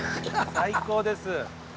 最高です。